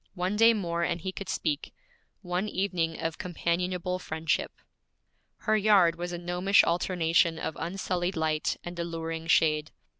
One day more and he could speak one evening of companionable friendship. Her yard was a gnomish alternation of unsullied light and alluring shade.